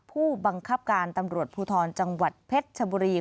ผู้บังคับการตำรวจภูทรจังหวัดเพชรชบุรี